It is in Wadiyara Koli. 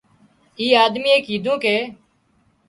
اي آۮميئي ڪيڌون ڪي